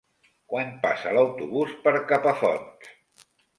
Quan passa l'autobús per Capafonts?